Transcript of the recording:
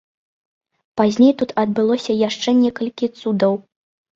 Пазней тут адбылося яшчэ некалькі цудаў.